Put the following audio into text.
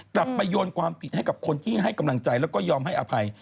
กลับไปโยนความผิดให้กับคนที่ให้กำลังใจแล้วก็ยอมให้อภัย